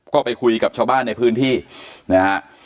ก็ไปคุยกับชาวบ้านในพื้นที่นะฮะ